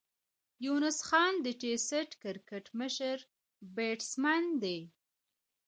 یونس خان د ټېسټ کرکټ مشر بېټسمېن دئ.